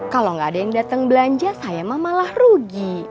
kalau nggak ada yang datang belanja saya mah malah rugi